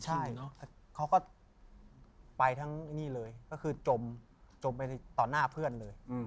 ใช่เขาก็ไปทั้งนี่เลยก็คือจมไปต่อหน้าเพื่อนเลย